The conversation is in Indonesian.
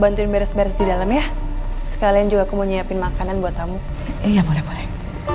bantuin beres beres di dalam ya sekalian juga kemu nyiapin makanan buat kamu iya boleh boleh